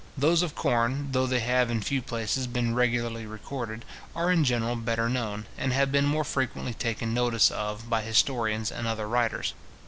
Those of corn, though they have in few places been regularly recorded, are in general better known, and have been more frequently taken notice of by historians and other writers.